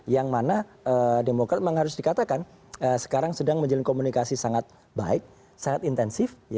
yang mana demokrat memang harus dikatakan sekarang sedang menjalin komunikasi sangat baik sangat intensif